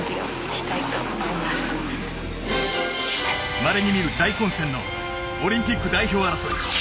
まれに見る大混戦のオリンピック代表争い。